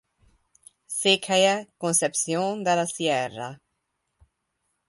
Székhelye Concepción de la Sierra.